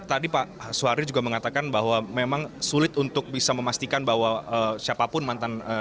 tadi pak suhari juga mengatakan bahwa memang sulit untuk bisa memastikan bahwa siapapun mantan